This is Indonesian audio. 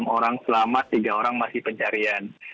enam orang selamat tiga orang masih pencarian